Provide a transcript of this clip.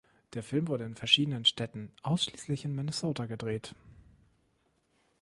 Der Film wurde in verschiedenen Städten ausschließlich in Minnesota gedreht.